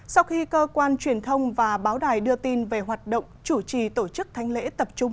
sau khi cơ quan truyền thông và báo đài đưa tin về hoạt động chủ trì tổ chức thánh lễ tập trung